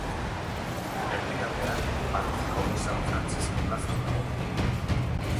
Erdialdea barrutiko San Frantzisko plazan dago.